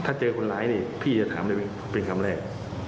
ถ้าเจอคนร้ายนี่พี่จะถามได้ไหมเป็นคำแรก